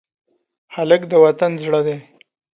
هلک د وطن زړه دی.